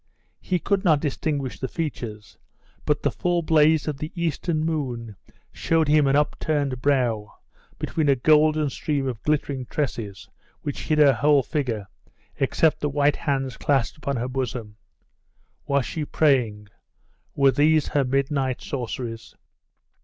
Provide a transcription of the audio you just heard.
He could not distinguish the features; but the full blaze of the eastern moon showed him an upturned brow, between a golden stream of glittering tresses which hid her whole figure, except the white hands clasped upon her bosom.... Was she praying? were these her midnight sorceries?....